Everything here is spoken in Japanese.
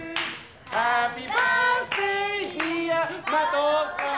「ハッピーバースデーディア麻藤さん」